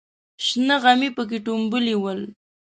شنه غمي پکې ټومبلې ول.